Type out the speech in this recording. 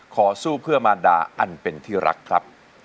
ขอสู้เพื่อมารดาอันเป็นที่รักครับ